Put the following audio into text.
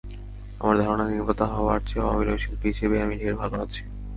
আমার ধারণা, নির্মাতা হওয়ার চেয়ে অভিনয়শিল্পী হিসেবেই আমি ঢের ভালো আছি।